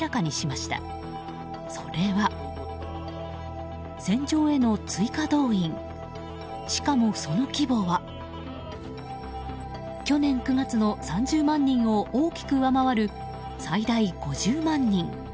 しかもその規模は去年９月の３０万人を大きく上回る、最大５０万人。